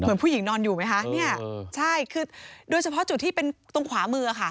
ผู้หญิงนอนอยู่ไหมคะเนี่ยใช่คือโดยเฉพาะจุดที่เป็นตรงขวามือค่ะ